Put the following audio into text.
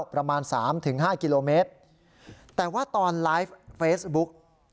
ประมาณสามถึงห้ากิโลเมตรแต่ว่าตอนไลฟ์เฟซบุ๊ก